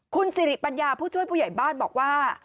คุณสิริปัญญาผู้ช่วยผู้ใหญ่บ้านบอกว่า